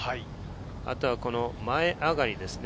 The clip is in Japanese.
あとは前上がりですね。